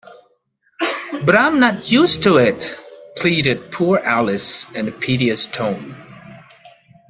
‘But I’m not used to it!’ pleaded poor Alice in a piteous tone.